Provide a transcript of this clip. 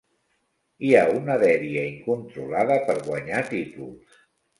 Hi ha una dèria incontrolada per guanyar títols.